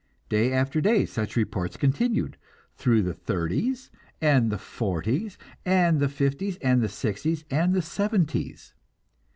Day after day such reports continued, through the thirties, and the forties, and the fifties, and the sixties, and the seventies.